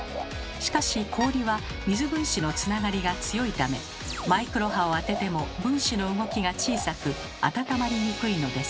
しかし氷は水分子のつながりが強いためマイクロ波を当てても分子の動きが小さく温まりにくいのです。